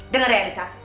denger ya lisa